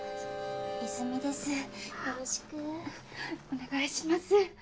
お願いします。